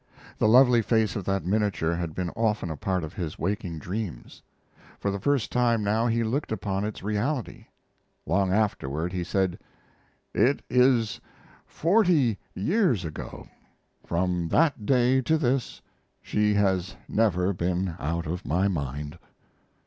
The lovely face of that miniature had been often a part of his waking dreams. For the first time now he looked upon its reality. Long afterward he said: "It is forty years ago. From that day to this she has never been out of my mind."